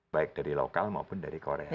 baik dari lokal maupun dari korea